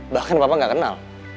bahkan papa gak kenal